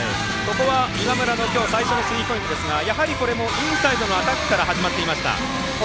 今村のきょう最初のスリーポイントですがやはりインサイドのアタックから始まっていました。